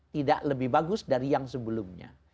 tidak lebih bagus dari yang sebelumnya